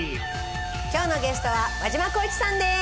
今日のゲストは輪島功一さんです。